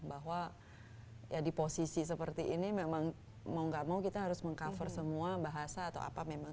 bahwa ya di posisi seperti ini memang mau gak mau kita harus meng cover semua bahasa atau apa memang